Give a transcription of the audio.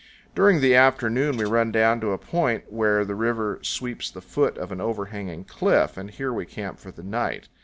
During the afternoon we run down to a point where the river sweeps the foot of an overhanging cliff, and here we camp for the night.